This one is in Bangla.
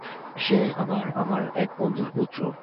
সে আবার আমার এক বন্ধুর পুত্র।